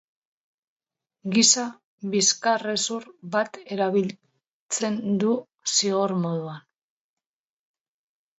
Giza bizkarrezur bat erabiltzen du zigor moduan.